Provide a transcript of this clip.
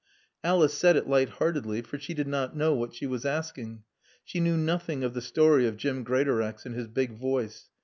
Alice said it light heartedly, for she did not know what she was asking. She knew nothing of the story of Jim Greatorex and his big voice.